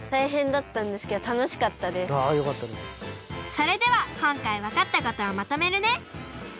それではこんかいわかったことをまとめるね！